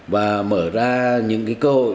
và mở ra những cơ hội